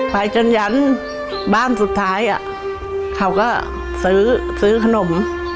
ไปจนยันบ้านสุดท้ายเขาก็ซื้อซื้อขนม